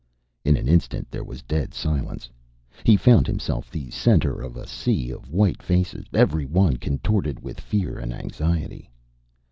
In an instant there was dead silence. He found himself the center of a sea of white faces, every one contorted with fear and anxiety.